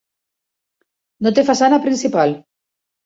No té façana principal.